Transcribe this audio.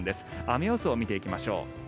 雨予想を見ていきましょう。